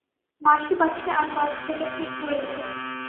বাঁশি বাজতে আর কয়েক সেকেন্ডই রয়েছে।